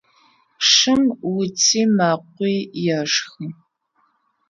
Шым уци мэкъуи ешхы.